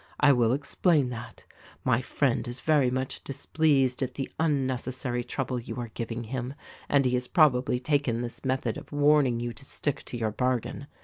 I will explain that: My friend is very much displeased at the unnecessary trouble you are giving him — and he has probably taken this method of warning you to stick to your bargain.